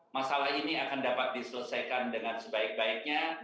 masalah ini akan dapat diselesaikan dengan sebaik baiknya